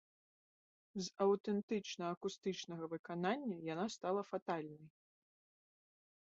З аўтэнтычна-акустычнага выканання яна стала фатальнай.